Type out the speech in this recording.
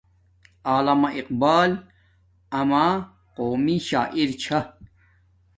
علامہ اقبال اما قومی شاعر چھا